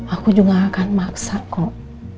aku juga akan maksa kok